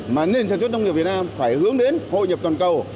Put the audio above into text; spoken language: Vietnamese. mà nền sản xuất nông nghiệp việt nam phải hướng đến hội nhập toàn cầu